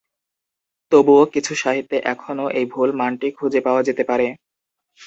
তবুও কিছু সাহিত্যে এখনও এই ভুল মানটি খুঁজে পাওয়া যেতে পারে।